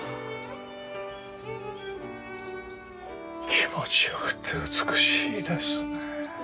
気持ち良くて美しいですね。